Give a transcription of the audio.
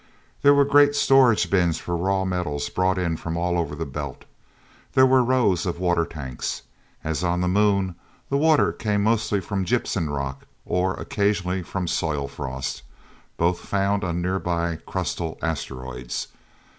There were great storage bins for raw metal brought in from all over the Belt. There were rows of water tanks. As on the Moon, the water came mostly from gypsum rock or occasionally from soil frost, both found on nearby crustal asteroids.